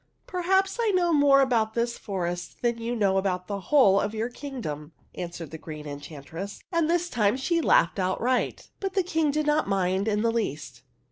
" Perhaps I know more about this forest than you know about the whole of your king dom," answered the Green Enchantress; and this time she laughed outright. But the King did not mind in the least.